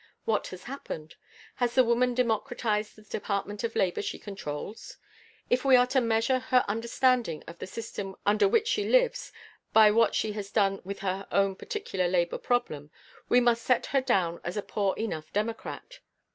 What has happened? Has the woman democratized the department of labor she controls? If we are to measure her understanding of the system under which she lives by what she has done with her own particular labor problem, we must set her down as a poor enough democrat.